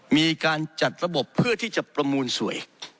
มีการจัดระบบเพื่อที่จะประมูลสวย